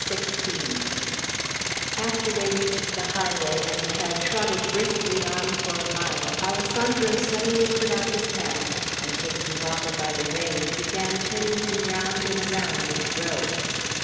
XVI AFTER they reached the highway, and had trotted briskly on for a mile, Alessandro suddenly put out his hand, and taking Baba by the rein, began turning him round and round in the road.